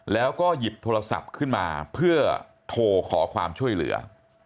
แล้วก็หยิบโทรศัพท์ขึ้นมาเพื่อโทรขอความช่วยเหลือ